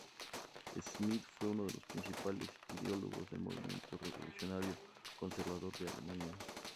Schmitt fue uno de los principales ideólogos del Movimiento Revolucionario Conservador de Alemania.